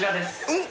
うん？